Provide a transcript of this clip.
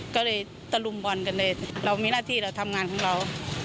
ก็เลยตะลุมบอลกันเลยเรามีหน้าที่เราทำงานของเรา